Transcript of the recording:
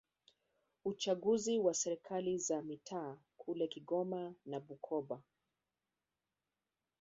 uchaguzi wa serikali za mitaa kule Kigoma na Bukoba